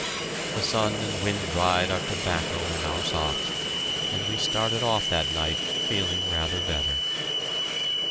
The sun and wind dried our tobacco and our socks, and we started off that night feeling rather better.